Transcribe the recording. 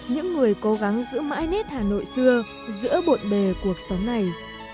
những người cố gắng giữ mãi nét hà nội xưa giữa bộn bề cuộc sống này